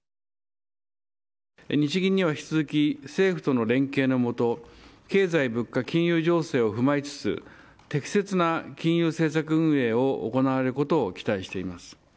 日銀には引き続き、政府との連携のもと、経済物価・金融情勢を踏まえつつ、適切な金融政策運営を行われることを期待しています。